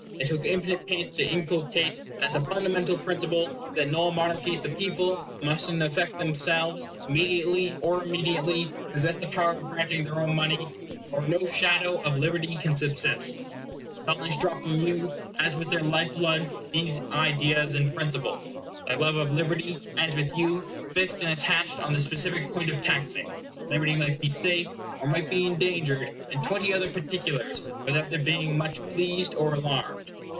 They took infinite pains to inculcate, as a fundamental principle, that in all monarchies the people must in effect themselves, mediately or immediately, possess the power of granting their own money, or no shadow of liberty can subsist. The Colonies draw from you, as with their life blood, these ideas and principles. Their love of liberty, as with you, fixed and attached on this specific point of taxing. Liberty might be safe, or might be endangered, in twenty other particulars, without their being much pleased or alarmed.